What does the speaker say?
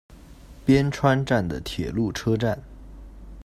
边川站的铁路车站。